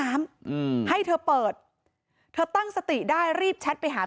มีชายแปลกหน้า๓คนผ่านมาทำทีเป็นช่วยค่างทาง